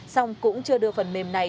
xong cũng chưa đưa phần mềm này